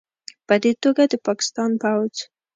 پدې توګه، د پاکستان پوځ